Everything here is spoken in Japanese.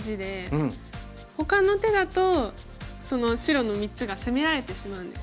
ほかの手だと白の３つが攻められてしまうんです。